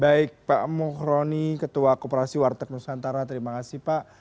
baik pak muhroni ketua kooperasi warteg nusantara terima kasih pak